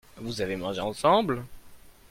Vous avez mangé ensemble ?